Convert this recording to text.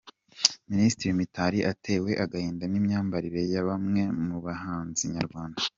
Minisitiri Mitali atewe agahinda n’imyambarire ya bamwe mu bahanzi nyarwanda